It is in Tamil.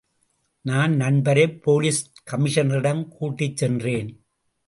நான் நண்பரை போலீஸ் கமிஷனரிடம் கூட்டிச் சென்றேன்.